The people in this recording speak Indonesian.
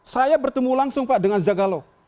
saya bertemu langsung pak dengan zagalo